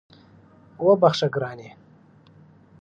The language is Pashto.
وبخښه ګرانې